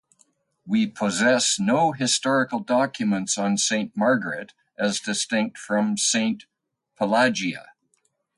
We possess no historical documents on Saint Margaret as distinct from Saint Pelagia.